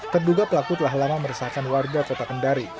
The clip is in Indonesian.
terduga pelaku telah lama meresahkan warga kota kendari